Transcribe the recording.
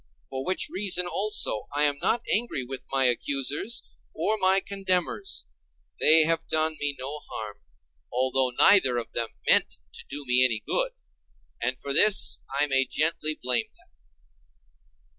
For which reason also, I am not angry with my accusers, or my condemners; they have done me no harm, although neither of them meant to do me any good; and for this I may gently blame them.